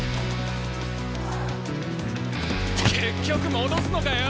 結局戻すのかよ！